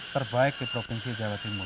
terbaik di provinsi jawa timur